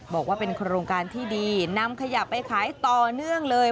บอกว่าเป็นโครงการที่ดีนำขยะไปขายต่อเนื่องเลย